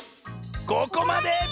ここまで！